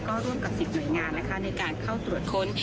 ก็ร่วมกับศิษย์หน่วยงานในการเข้าตรวจค้น